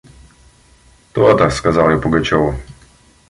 – То-то! – сказал я Пугачеву.